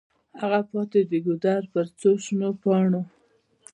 هلته پاتي د ګودر پر څوشنو پاڼو